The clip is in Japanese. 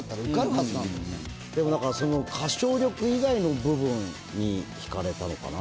だからその歌唱力以外の部分に引かれたのかな？